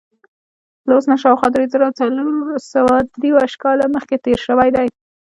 له اوس نه شاوخوا درې زره څلور سوه درویشت کاله مخکې تېر شوی دی.